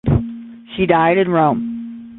She died in Rome.